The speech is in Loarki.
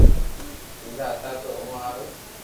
ديدا ھتا تو اووہ ھارو